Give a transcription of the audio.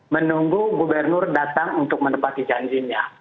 menunggu gubernur datang untuk menepati janjinya